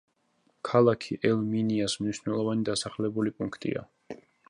ქალაქი ელ-მინიას მნიშვნელოვანი დასახლებული პუნქტია.